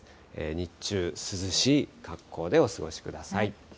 日中、涼しい格好でお過ごしください。